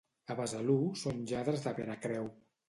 A Besalú són lladres de la veracreu.